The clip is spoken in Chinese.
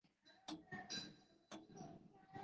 圣德尼多图。